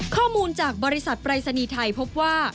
ข้อมูลจากบริษัทปรายศนีย์ไทยพบว่า